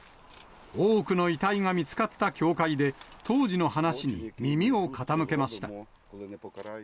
多くの遺体が見つかった教会で、当時の話に耳を傾けました。